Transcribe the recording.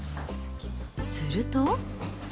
すると。